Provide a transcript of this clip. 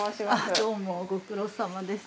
どうもご苦労さまです